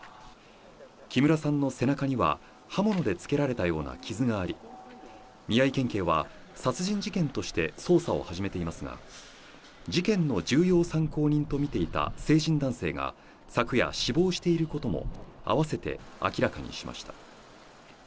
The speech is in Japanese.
木村さんの背中には刃物でつけられたような傷があり、宮城県警は殺人事件として捜査を始めていますが、事件の重要参考人とみていた成人男性が昨夜死亡していることもあわせて明らかにしました。